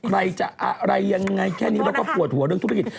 ใครจะอะไรยังไงแค่นี้แล้วก็ปวดหัวเรื่องธุรกิจ